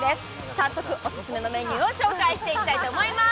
早速オススメのメニューを紹介していきたいと思います。